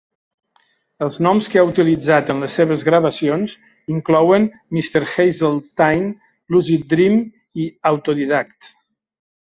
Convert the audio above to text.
Els noms que ha utilitzat en les seves gravacions inclouen Mr. Hazeltine, Lucid Dream i Autodidact.